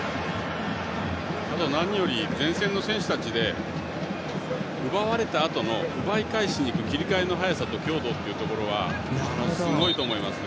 あと、何より前線の選手たちで奪われたあとの奪い返しに行く切り替えの早さと強度はすごいと思います。